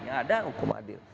yang ada hukum adil